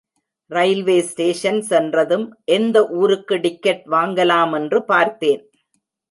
Railway station சென்றதும் எந்த ஊருக்கு டிக்கெட் வாங்கலாமென்று பார்த்தேன்.